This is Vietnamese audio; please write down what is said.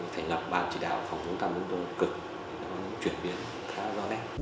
chỉ đạo khẩn trương tham nhũng vụ cực chuyển biến khá do đen